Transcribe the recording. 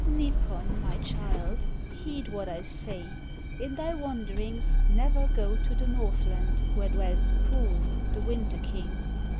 "Nipon, my child, heed what I say. In thy wanderings never go to the Northland where dwells Poon, the Winter King.